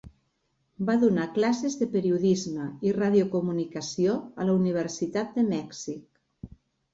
Va donar classes de periodisme i radiocomunicació a la Universitat de Mèxic.